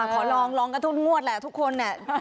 ขอลองลองกันทุกงวดแหละทุกคนเนี่ย